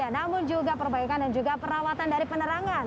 namun juga perbaikan dan juga perawatan dari penerangan